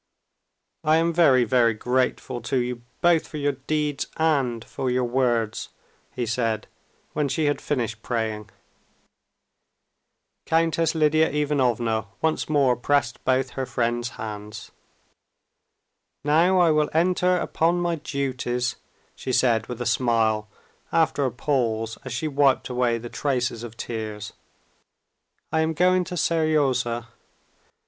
"I am very, very grateful to you, both for your deeds and for your words," he said, when she had finished praying. Countess Lidia Ivanovna once more pressed both her friend's hands. "Now I will enter upon my duties," she said with a smile after a pause, as she wiped away the traces of tears. "I am going to Seryozha.